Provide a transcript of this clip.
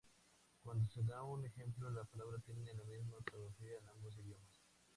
Cuando se da un ejemplo, la palabra tiene la misma ortografía en ambos idiomas.